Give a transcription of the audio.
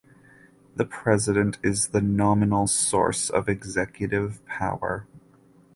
The president is the nominal source of executive power.